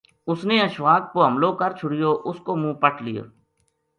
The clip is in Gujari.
اس نے اشفاق پو حملو کر چھُڑیو اس کو منہ پٹ لیو